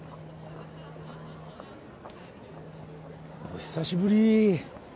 お久しぶり。